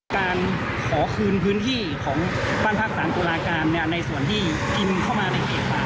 การขอคืนพื้นที่ของบ้านพักสารตุลาการในส่วนที่กินเข้ามาในเขตป่า